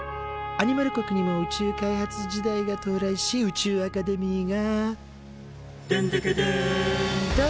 アニマル国にも宇宙開発時代が到来し宇宙アカデミーが「でんでけでん！」と誕生。